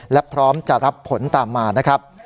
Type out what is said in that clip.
และพร้อมจะรับผลตามมานะครับ